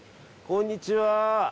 こんにちは。